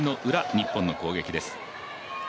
日本の攻撃です。